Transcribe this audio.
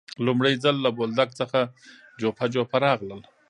لومړی ځل له بولدک څخه جوپه جوپه راغلل.